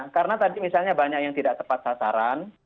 karena tadi misalnya banyak yang tidak tepat sasaran